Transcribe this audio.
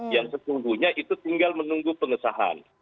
yang sesungguhnya itu tinggal menunggu pengesahan